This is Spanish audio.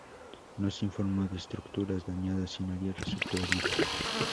No se informó de estructuras dañadas y nadie resultó herido.